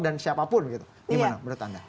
dan siapapun gimana menurut anda